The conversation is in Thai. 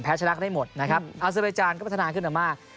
แพ้ชนะก็ได้หมดนะครับอาซิบาลาจารย์ก็พัฒนาขึ้นมามาก